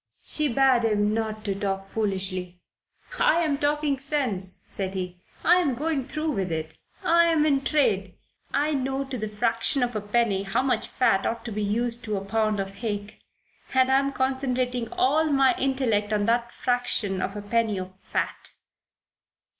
She bade him not talk foolishly. "I'm talking sense," said he. "I'm going through with it. I'm in trade. I know to the fraction of a penny how much fat ought to be used to a pound of hake, and I'm concentrating all my intellect on that fraction of a penny of fat."